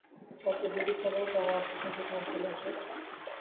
অতএব যদি পার তো আমার সঙ্গেই তোমার চলে আসা উচিত।